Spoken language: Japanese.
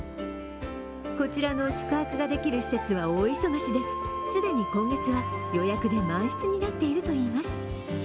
こちらの宿泊ができる施設は大忙しで既に今月は予約で満室になっているといいます。